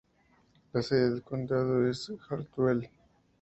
La sede del condado es Hartwell.